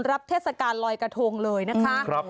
เทศกาลลอยกระทงเลยนะคะ